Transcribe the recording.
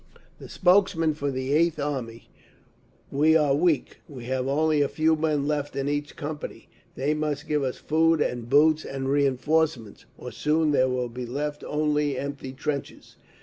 The spokesman for the Eighth Army: "We are weak, we have only a few men left in each company. They must give us food and boots and reinforcements, or soon there will be left only empty trenches.